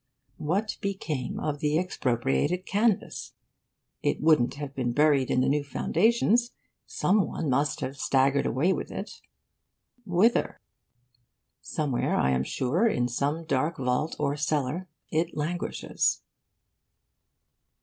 What became of the expropriated canvas? It wouldn't have been buried in the new foundations. Some one must have staggered away with it. Whither? Somewhere, I am sure, in some dark vault or cellar, it languishes.